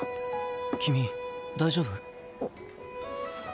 君大丈夫？